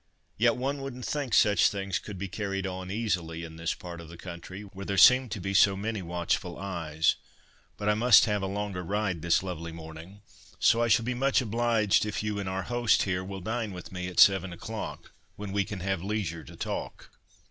"Yet one wouldn't think such things could be carried on easily in this part of the country—where there seem to be so many watchful eyes; but I must have a longer ride this lovely morning, so I shall be much obliged if you and our host here will dine with me at seven o'clock, when we can have leisure to talk.